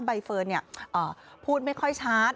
ใบเฟิร์นพูดไม่ค่อยชัด